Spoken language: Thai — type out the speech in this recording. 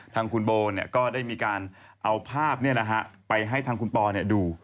ทางคุณโบก็ได้มีการเอาภาพไปให้ทางคุณปอดู